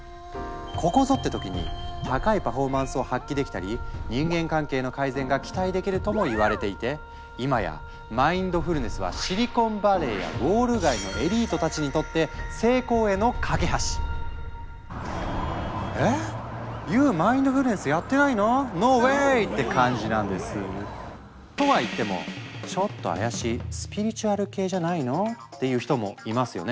「ここぞ！」って時に高いパフォーマンスを発揮できたり人間関係の改善が期待できるともいわれていて今や「マインドフルネス」はシリコンバレーやウォール街のエリートたちにとってえ⁉ＹＯＵマインドフルネスやってないの⁉ＮＯＷＡＹって感じなんです。とは言っても「ちょっと怪しいスピリチュアル系じゃないの？」っていう人もいますよね？